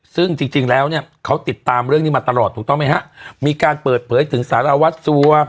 ซึ่งจริงจริงแล้วเนี่ยเขาติดตามเรื่องนี้มาตลอดถูกต้องไหมฮะมีการเปิดเผยถึงสารวัตรสัว